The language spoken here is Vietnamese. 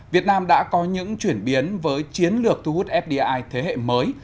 việt nam đã có những chuyển biến với chiến lược thu hút fdi thế hệ mới